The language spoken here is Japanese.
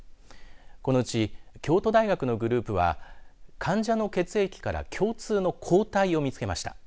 このうち京都大学のグループは患者の血液から共通の抗体を見つけました。